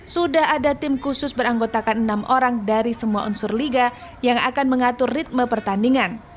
sudah ada tim khusus beranggotakan enam orang dari semua unsur liga yang akan mengatur ritme pertandingan